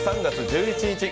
３月１１日